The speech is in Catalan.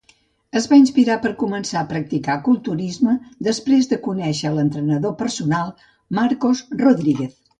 Es va inspirar per començar a practicar culturisme després de conèixer l'entrenador personal Marcos Rodríguez.